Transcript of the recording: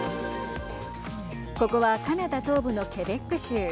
ここはカナダ東部のケベック州。